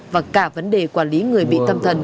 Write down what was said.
và cả vấn đề quản lý người bị tâm thần